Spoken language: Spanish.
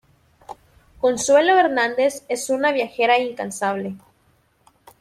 Consuelo Hernández es una viajera incansable.